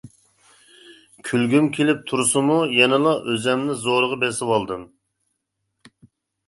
كۈلگۈم كېلىپ تۇرسىمۇ يەنىلا ئۆزۈمنى زورىغا بېسىۋالدىم.